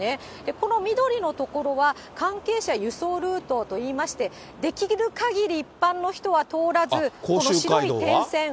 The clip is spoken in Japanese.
この緑の所は関係者輸送ルートといいまして、できるかぎり一般の人は通らず、甲州街道は？